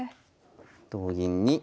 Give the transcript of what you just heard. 同銀に。